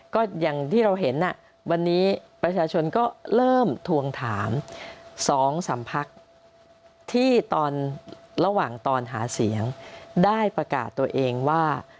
ก็อย่างที่เราเห็นวันนี้ประชาชนก็เริ่มทวงถาม๒๓พักที่ตอนระหว่างตอนหาเสียงได้ประกาศตัวเองว่า